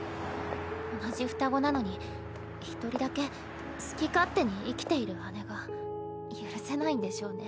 同じ双子なのに１人だけ好き勝手に生きている姉が許せないんでしょうね。